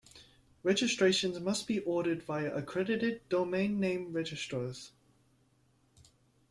Registrations must be ordered via accredited domain name registrars.